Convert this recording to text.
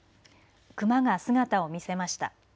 熊が姿を見せました。